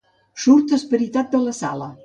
Surt esperitat de la sala.